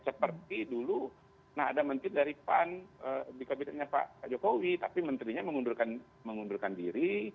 seperti dulu nah ada menteri dari pan di kabinetnya pak jokowi tapi menterinya mengundurkan diri